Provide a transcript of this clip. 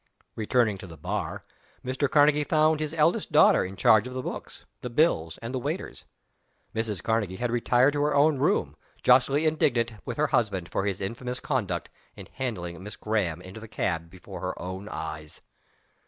Returning to the bar, Mr. Karnegie found his eldest daughter in charge of the books, the bills, and the waiters. Mrs. Karnegie had retired to her own room, justly indignant with her husband for his infamous conduct in handing "Mrs. Graham" into the cab before her own eyes.